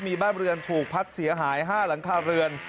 มีบ้านเรือนถูกพัดเสียหาย๕หลังคาเรือน